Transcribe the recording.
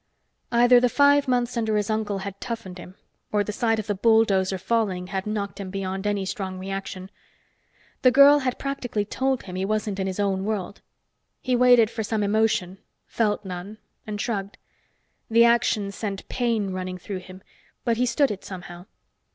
Either the five months under his uncle had toughened him, or the sight of the bulldozer falling had knocked him beyond any strong reaction. The girl had practically told him he wasn't in his own world. He waited for some emotion, felt none, and shrugged. The action sent pain running through him, but he stood it somehow.